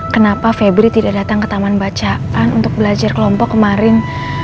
kenapa febri tidak datang ke taman bacaan untuk belajar kelompok kemarin